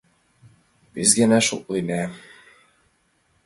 Вес гана шотлена.